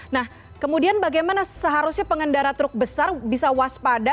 nah kemudian bagaimana seharusnya pengendara truk besar bisa waspada